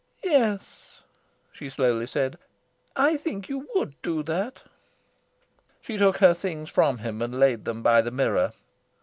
"Yes," she slowly said, "I think you would do that." She took her things from him, and laid them by the mirror.